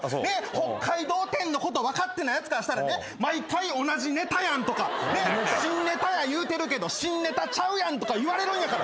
北海道展のこと分かってないやつからしたらね毎回同じネタやんとか新ネタや言うてるけど新ネタちゃうやんとか言われるんやから。